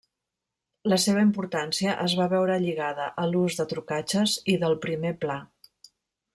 La seva importància es va veure lligada a l’ús de trucatges i del primer pla.